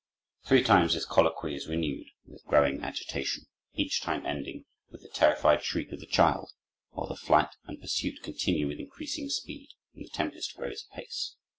Three times this colloquy is renewed, with growing agitation, each time ending with the terrified shriek of the child, while the flight and pursuit continue with increasing speed, and the tempest grows apace.